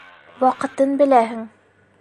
Ваҡытын беләһең.